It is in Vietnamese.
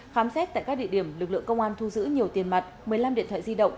khám xét tại các địa điểm lực lượng công an thu giữ nhiều tiền mặt một mươi năm điện thoại di động